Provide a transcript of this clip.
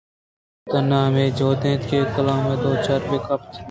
تہنا ہمے جہد ءَ اِنت کہ کلام ءَ دوچار بہ کپیت